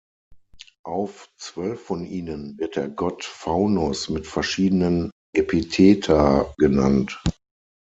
Auf zwölf von ihnen wird der Gott Faunus mit verschiedenen Epitheta genannt.